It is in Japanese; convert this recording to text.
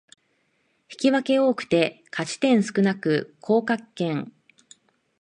引き分け多くて勝ち点少なく降格圏